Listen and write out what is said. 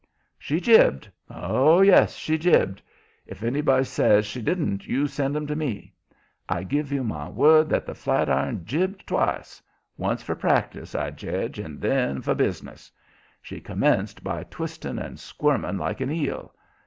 She jibed oh, yes, she jibed! If anybody says she didn't you send 'em to me. I give you my word that that flat iron jibed twice once for practice, I jedge, and then for business. She commenced by twisting and squirming like an eel.